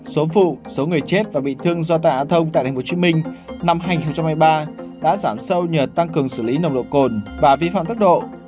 số vụ số người chết và bị thương do tạ thông tại tp hcm năm hai nghìn hai mươi ba đã giảm sâu nhờ tăng cường xử lý nồng độ cồn và vi phạm tốc độ